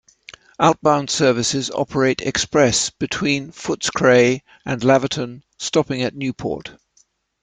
Outbound services operate express between Footscray and Laverton, stopping at Newport.